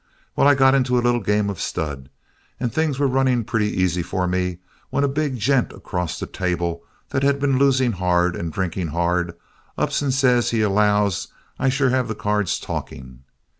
Well, I got into a little game of stud, and things were running pretty easy for me when a big gent across the table that had been losing hard and drinking hard ups and says he allows I sure have the cards talking.